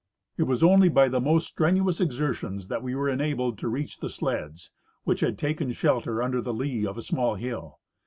It was only by the most strenuous exertions that we were enabled to reach the sleds, which had taken shelter under the lee of a small hill.